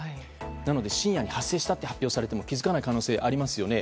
なので、深夜に発生したと発表されても気づかない可能性がありますよね。